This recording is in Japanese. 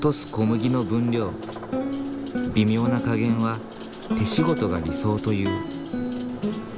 微妙な加減は手仕事が理想という。